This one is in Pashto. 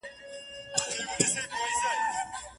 شاګرد باید د مقالې ټولې برخي په دقت ولولي.